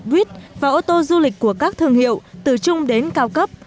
buýt và ô tô du lịch của các thương hiệu từ trung đến cao cấp